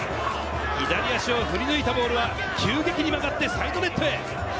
左足を振り抜いたボールは急激に曲がってサイドネットへ。